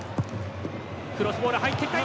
クロスボール入ってきた。